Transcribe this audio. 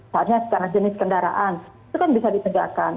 saatnya sekarang jenis kendaraan itu kan bisa ditegakkan